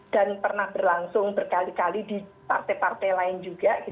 dan pernah berlangsung berkali kali di partai partai lain juga gitu